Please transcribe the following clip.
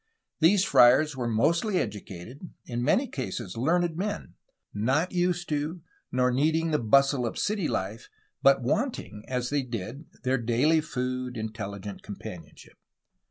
These friars were mostly educated, in many cases learned, men; not used to nor needing the bustle of city life, but wanting, as they did their daily food, intelligent companionship.